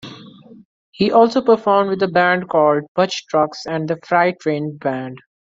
He also performed with a band called Butch Trucks and The Freight Train Band.